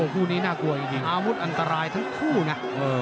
คู่นี้น่ากลัวจริงอาวุธอันตรายทั้งคู่นะ